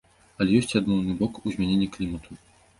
Але ёсць і адмоўны бок у змяненні клімату.